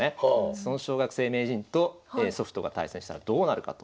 その小学生名人とソフトが対戦したらどうなるかと。